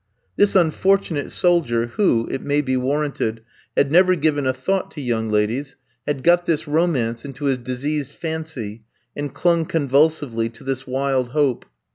This unfortunate soldier, who, it may be warranted, had never given a thought to young ladies, had got this romance into his diseased fancy, and clung convulsively to this wild hope.